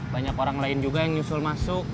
banyak orang lain juga yang nyusul masuk